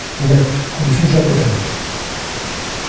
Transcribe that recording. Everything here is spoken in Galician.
Directo, conciso e potente.